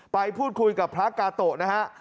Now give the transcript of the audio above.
ไปพูดคุยกับพระกาโตะนะฮะ